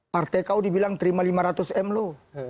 partai kau dibilang terima lima ratus m lu